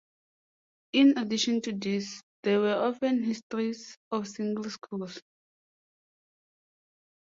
In addition to these, there were often histories of single schools.